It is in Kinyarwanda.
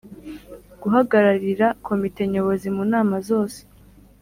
Guhagararira Komite Nyobozi mu nama zose